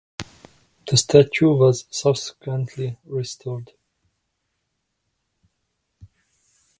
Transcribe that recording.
The statue was subsequently restored.